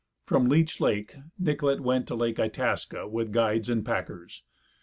From Leech lake Nicollet went to Lake Itasca with guides and packers.